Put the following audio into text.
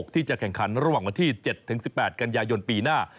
ที่จะแข่งขันระหว่างวันที่๗๑๘กันยายนปีหน้า